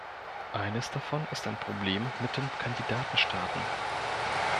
Eines davon ist ein Problem mit den Kandidatenstaaten.